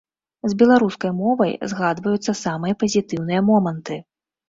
З беларускай мовай згадваюцца самыя пазітыўныя моманты.